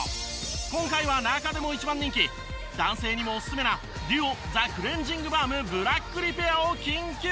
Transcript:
今回は中でも一番人気男性にもオススメなＤＵＯザクレンジングバームブラックリペアを緊急確保。